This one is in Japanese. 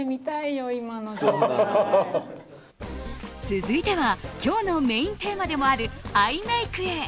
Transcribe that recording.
続いては今日のメインテーマでもあるアイメイクへ。